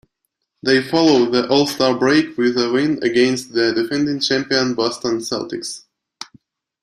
They followed the All-Star Break with a win against the defending champion Boston Celtics.